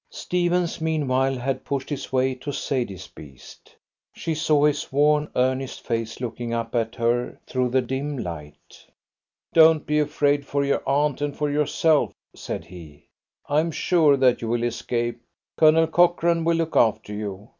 Stephens meanwhile had pushed his way to Sadie's beast. She saw his worn earnest face looking up at her through the dim light. "Don't be afraid for your aunt and for yourself," said he. "I am sure that you will escape. Colonel Cochrane will look after you.